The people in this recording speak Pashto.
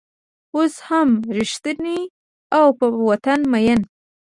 اوس هم رشتونی او په وطن مین